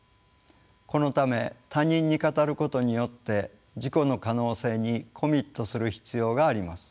このため他人に語ることによって自己の可能性にコミットする必要があります。